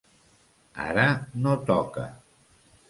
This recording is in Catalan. Ara no toca.